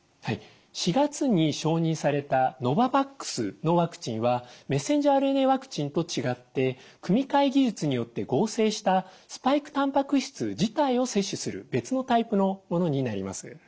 ４月に承認されたノババックスのワクチンはメッセンジャーＲＮＡワクチンと違って組み替え技術によって合成したスパイクたんぱく質自体を接種する別のタイプのものになります。